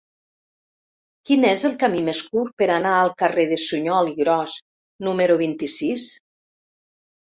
Quin és el camí més curt per anar al carrer de Suñol i Gros número vint-i-sis?